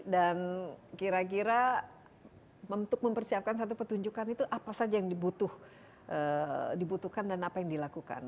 dan kira kira untuk mempersiapkan satu petunjukan itu apa saja yang dibutuhkan dan apa yang dilakukan